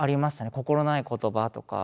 心ない言葉とか。